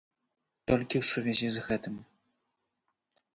Толькі ў сувязі з гэтым.